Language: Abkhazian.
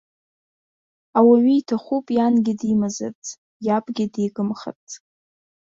Ауаҩы иҭахуп иангьы димазарц, иабгьы дигымхарц.